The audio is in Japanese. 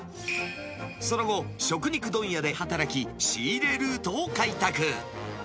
その後、食肉問屋で働き、仕入れルートを開拓。